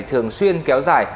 thường xuyên kéo dài